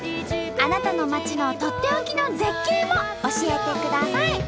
あなたの町のとっておきの絶景も教えてください！